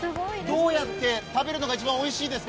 どうやって食べるのが一番おいしいですか？